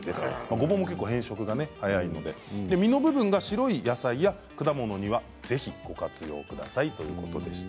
ごぼうも結構、変色が早いので実の部分が白い野菜や果物にはぜひ、ご活用くださいということでした。